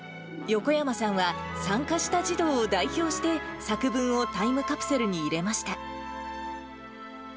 横山さんは参加した児童を代表して作文をタイムカプセルに入れました。